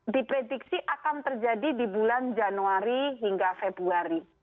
di prediksi akan terjadi di bulan januari hingga februari